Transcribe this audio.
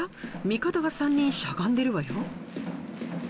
味方が３人しゃがんでるわよ。